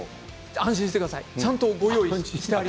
安心してくださいって。